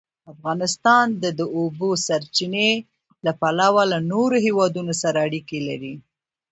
افغانستان د د اوبو سرچینې له پلوه له نورو هېوادونو سره اړیکې لري.